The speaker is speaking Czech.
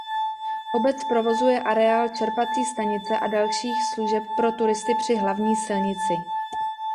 Obec provozuje areál čerpací stanice a dalších služeb pro turisty při hlavní silnici.